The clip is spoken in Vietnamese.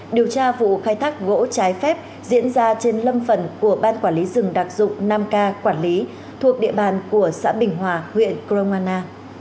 điều tra vụ khai thác gỗ trái phép diễn ra trên lâm phần của ban quản lý rừng đặc dụng nam ca quản lý thuộc địa bàn của xã bình hòa huyện crong anna